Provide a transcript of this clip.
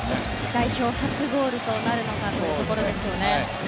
代表初ゴールとなるのかというところですよね。